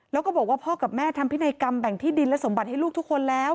แล้วก็บอกว่าพ่อกับแม่ทำพินัยกรรมแบ่งที่ดินและสมบัติให้ลูกทุกคนแล้ว